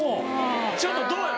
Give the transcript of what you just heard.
ちょっとどうや？